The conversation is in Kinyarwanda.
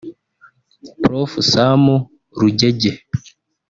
Prof Sam Rugege